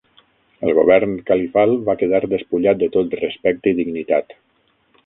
El govern califal va quedar despullat de tot respecte i dignitat.